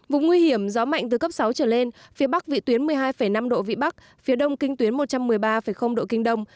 vùng nguy hiểm gió mạnh từ cấp sáu trở lên phía bắc vị tuyến một mươi hai năm độ vị bắc phía đông kinh tuyến một trăm một mươi ba độ kinh đông